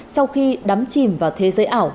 sau khi đắm chìm vào thế giới ảo